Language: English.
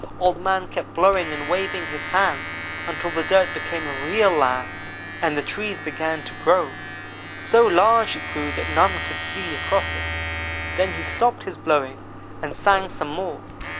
Old man kept blowing and waving his hands until the dirt became real land, and the trees began to grow. So large it grew that none could see across it. Then he stopped his blowing and sang some more.